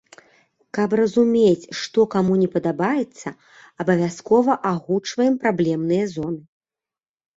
Каб разумець, што каму не падабаецца, абавязкова агучваем праблемныя зоны.